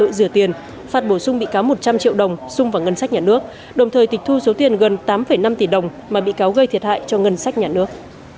hội đồng xét xử tuyên phạt bị cáo ngân sách nhà nước gần tám năm tỷ đồng sung vào ngân sách nhà nước đồng thời tịch thu số tiền gần tám năm tỷ đồng mà bị cáo gây thiệt hại cho ngân sách nhà nước